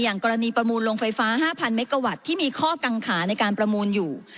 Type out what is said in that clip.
กรณีประมูลลงไฟฟ้า๕๐๐เมกาวัตต์ที่มีข้อกังขาในการประมูลอยู่